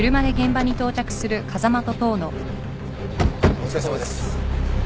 お疲れさまです。